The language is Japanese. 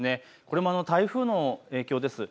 これも台風の影響です。